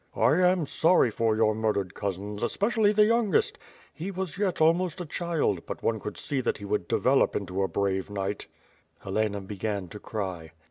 1 am sorry for your murdered cousins, especially the youngest; he was yet almost a child, but one could see tJiat he would develop into a 'brave knight." Helena began to cry.